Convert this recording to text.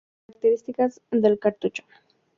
Características del cartucho